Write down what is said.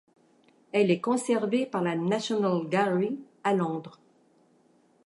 Elle est conservée par la National Gallery, à Londres.